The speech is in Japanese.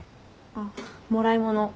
あっもらい物。